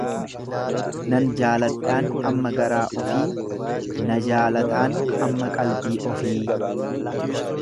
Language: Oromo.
Nan jaaladhaan amma garaa ofii na jaalataan amma qalbii ofii.